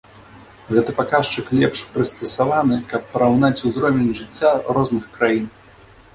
Гэты паказчык лепш прыстасаваны, каб параўнаць узровень жыцця розных краін.